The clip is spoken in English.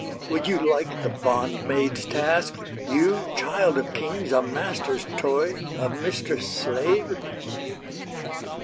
Would you like The bondmaid's task, You, child of kings, a master's toy, A mistress' slave?'"